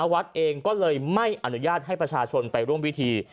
วัดเองก็เลยไม่อนุญาตให้ประชาชนไปร่วมพิธี